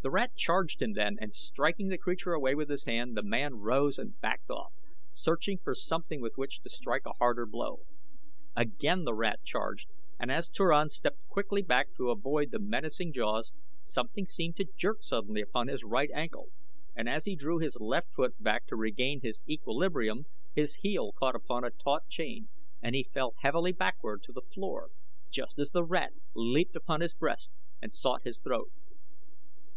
The rat charged him then and striking the creature away with his hand the man rose and backed off, searching for something with which to strike a harder blow. Again the rat charged and as Turan stepped quickly back to avoid the menacing jaws, something seemed to jerk suddenly upon his right ankle, and as he drew his left foot back to regain his equilibrium his heel caught upon a taut chain and he fell heavily backward to the floor just as the rat leaped upon his breast and sought his throat.